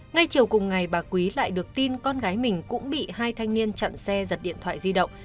ngay chiều cùng ngày bà quý lại được tin con gái mình cũng bị hai thanh niên chặn xe giật điện thoại di động